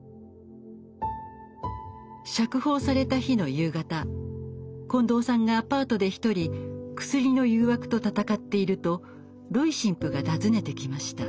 釈放された日の夕方近藤さんがアパートで一人クスリの誘惑と闘っているとロイ神父が訪ねてきました。